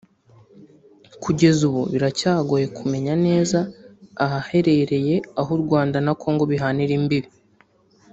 Kugeza ubu biracyagoye kumenya neza ahaherereye aho u Rwanda na Congo bihanira imbibi